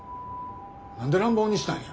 何で乱暴にしたんや。